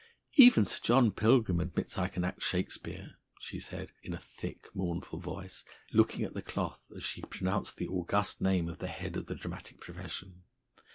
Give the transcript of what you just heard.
"Even Sir John Pilgrim admits I can act Shakespeare," she said in a thick, mournful voice, looking at the cloth as she pronounced the august name of the head of the dramatic profession.